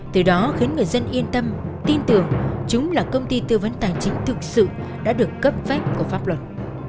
từ đó khiến người dân yên tâm tin tưởng chúng là công ty tư vấn tài chính thực sự đã được cấp phép của pháp luật